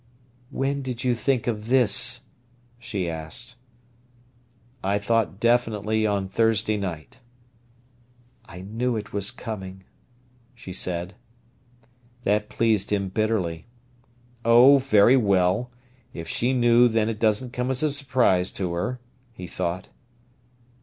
"When did you think of this?" she asked. "I thought definitely on Thursday night." "I knew it was coming," she said. That pleased him bitterly. "Oh, very well! If she knew then it doesn't come as a surprise to her," he thought.